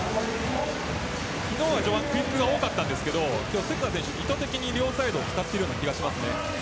昨日の序盤はクイックが多かったですが今日は意図的に両サイドを使っている気がします。